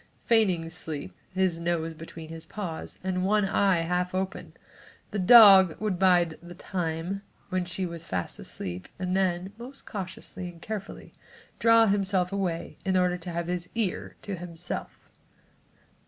Feigning sleep, his nose between his paws and one eye half open, the dog would bide the time when she was fast asleep and then, most cautiously and carefully, draw himself away in order to have his ear to himself.